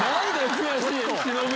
悔しい！